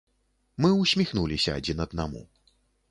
Мы ўсміхнуліся адзін аднаму.